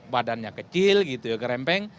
badannya kecil gitu ya kerempeng